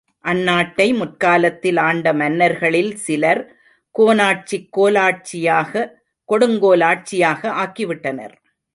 அந்நாட்டை முற்காலத்தில் ஆண்ட மன்னர்களில் சிலர், கோனாட்சியைக் கோலாட்சியாக, கொடுங்கோல் ஆட்சியாக ஆக்கிவிட்டனர்.